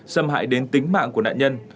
xâm hại đến tính mạng của nạn nhân